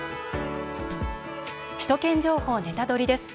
「首都圏情報ネタドリ！」です。